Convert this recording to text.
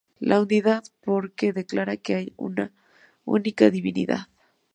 La unidad, porque declara que hay una única divinidad.